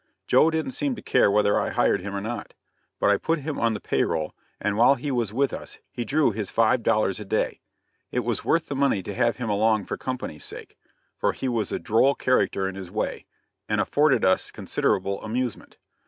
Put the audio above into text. Joe didn't seem to care whether I hired him or not; but I put him on the pay roll, and while he was with us he drew his five dollars a day. It was worth the money to have him along for company's sake, for he was a droll character in his way, and afforded us considerable amusement.